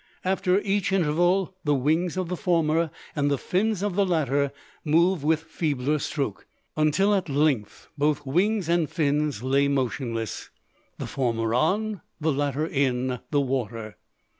After each interval, the wings of the former and the fins of the latter moved with feebler stroke; until at length both wings and fins lay motionless, the former on, the latter in, the water.